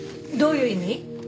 どういう意味？